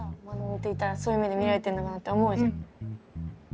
そういう目で見られてんのかなって思うじゃん。